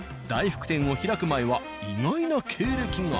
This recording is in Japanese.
大福店を開く前は意外な経歴が。